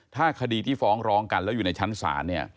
ถ้าคดีที่ฟ้องร้องกันแล้วอยู่ในชั้นศาลเนี่ย